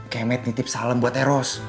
kemed nitip salem buat eros